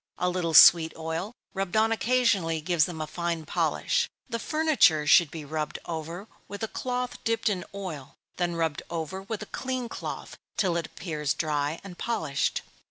A little sweet oil, rubbed on occasionally, gives them a fine polish. The furniture should be rubbed over with a cloth dipped in oil, then rubbed over with a clean cloth till it appears dry and polished.